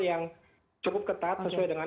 yang cukup ketat sesuai dengan